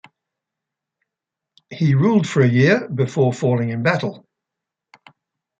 He ruled for a year, before falling in battle.